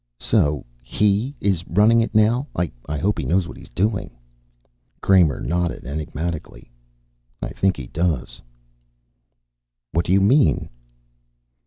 "So he is running it, now. I hope he knows what he's doing." Kramer nodded enigmatically. "I think he does." "What do you mean?"